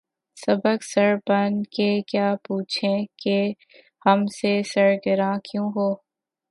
سبک سر بن کے کیا پوچھیں کہ ’’ ہم سے سر گراں کیوں ہو؟‘‘